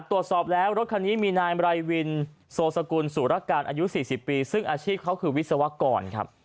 ตรวจสอบแล้วรถคันนี้มีนายไรวินโซสกุลสุรการอายุ๔๐ปีซึ่งอาชีพเขาคือวิศวกรครับ